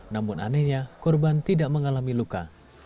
namun anehnya korban tidak mengalami luka